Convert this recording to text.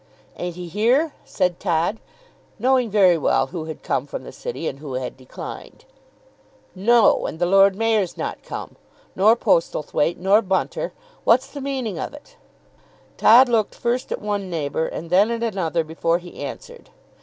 "Ain't he here?" said Todd, knowing very well who had come from the City and who had declined. "No; and the Lord Mayor's not come; nor Postlethwaite, nor Bunter. What's the meaning of it?" Todd looked first at one neighbour and then at another before he answered.